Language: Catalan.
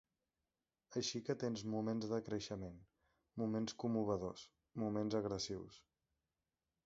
Així que tens moments de creixement, moments commovedors, moments agressius.